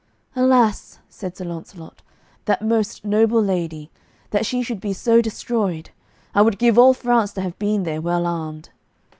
"Alas," said Sir Launcelot, "that most noble lady, that she should be so destroyed! I would give all France to have been there well armed."